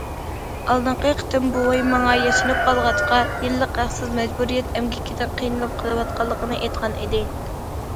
ئالدىنقى قېتىم بوۋاي ماڭا ياشىنىپ قالغاچقا، يىللىق ھەقسىز مەجبۇرىيەت ئەمگىكىدىن قىينىلىپ قىلىۋاتقانلىقىنى ئېيتقان ئىدى.